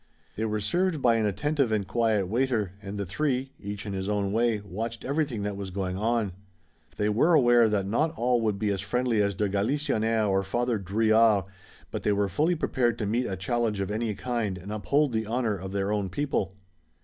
They were served by an attentive and quiet waiter, and the three, each in his own way, watched everything that was going on. They were aware that not all would be as friendly as de Galisonnière or Father Drouillard, but they were fully prepared to meet a challenge of any kind and uphold the honor of their own people.